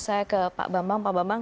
saya ke pak bambang